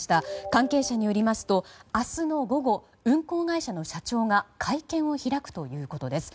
関係者によりますと明日の午後運航会社の社長が会見を開くということです。